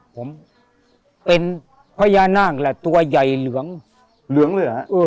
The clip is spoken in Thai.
ผมเป็นพญานาคแหละตัวใหญ่เหลืองเหลืองเลยเหรอฮะ